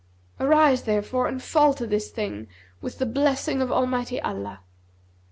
Arise therefore and fall to this thing, with the blessing of Almighty Allah.'